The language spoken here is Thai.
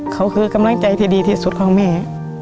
เขาคือกำลังใจที่ดีที่สุดของแม่